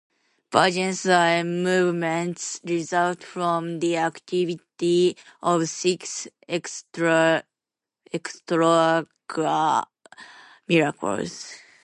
Vergence eye movements result from the activity of six extraocular muscles.